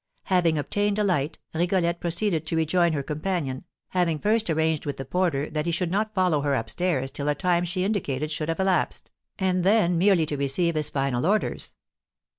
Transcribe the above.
Having obtained a light, Rigolette proceeded to rejoin her companion, having first arranged with the porter that he should not follow her up stairs till a time she indicated should have elapsed, and then merely to receive his final orders.